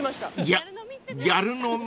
［ギャギャル飲み？］